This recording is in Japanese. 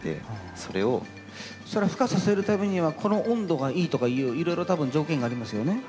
それふ化させるためにはこの温度がいいとかいういろいろ多分条件がありますよね？